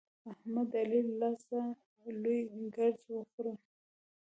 احمد د علي له لاسه لوی ګړز وخوړ.